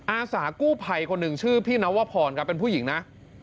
อาสากู้ภัยคนหนึ่งชื่อพี่นวพรครับเป็นผู้หญิงนะ